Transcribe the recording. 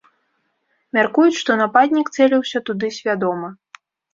Мяркуюць, што нападнік цэліўся туды свядома.